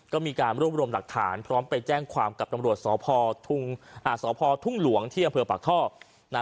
ก็มีการรวบรวมหลักฐานพร้อมไปแจ้งความกับตำรวจสพทุ่งหลวงที่อำเภอปากท่อนะ